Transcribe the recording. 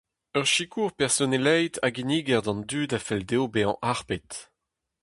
Ur sikour personelaet a ginniger d'an dud a fell dezho bezañ harpet.